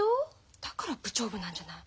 だから部長部なんじゃない。